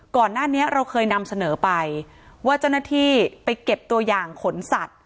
ก่อนหน้านี้เราเคยนำเสนอไปว่าเจ้าหน้าที่ไปเก็บตัวอย่างขนสัตว์